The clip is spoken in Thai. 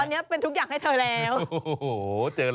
ตอนนี้เป็นทุกอย่างให้เธอแล้ว